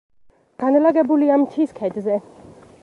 განლაგებულია მთის ქედზე.